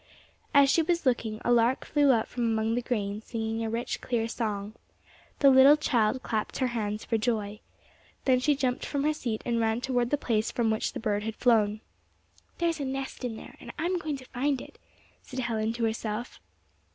As she was looking, a lark flew out from among the grain singing a rich, clear song. The little child clapped her hands for joy. Then she jumped from her seat and ran toward the place from which the bird had flown. "There is a nest in there, and I am going to find it," said Helen to herself.